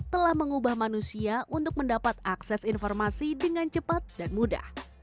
telah mengubah manusia untuk mendapat akses informasi dengan cepat dan mudah